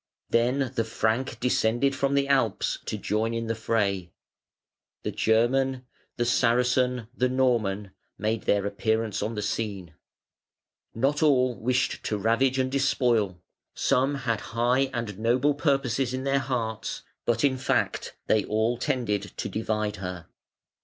Then the Frank descended from the Alps to join in the fray. The German, the Saracen, the Norman made their appearance on the scene. Not all wished to ravage and despoil; some had high and noble purposes in their hearts, but, in fact, they all tended to divide her.